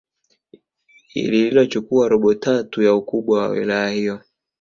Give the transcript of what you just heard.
lililochukua robo tatu ya ukubwa wa wilaya hiyo